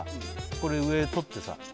これ上とってさ